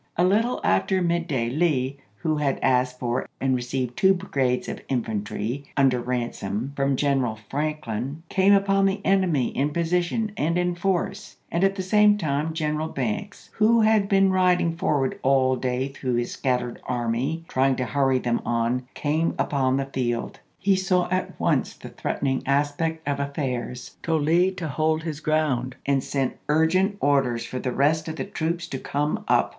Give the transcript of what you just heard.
A little after midday Lee, who had asked for and received two brigades of infan try, under Ransom, from General Franklin, came upon the enemy in position and in force, and at the same time General Banks, who had been rid ing forward all day through his scattered army, trying to hurry them on, came upon the field. He Apr. s, i864. saw at once the threatening aspect of affairs, told Lee to hold his ground, and sent urgent orders for the rest of the troops to come up.